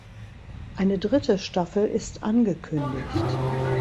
Eine dritte Staffel ist angekündigt.